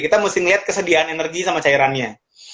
kita mesti ngeliat kesediaan energi sama cairannya